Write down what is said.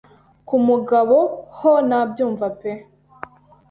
ku mugabo ho nabyumva pe